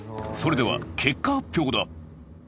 それでは結果発表だ。